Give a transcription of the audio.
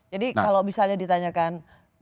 jadi kalau misalnya ditanyakan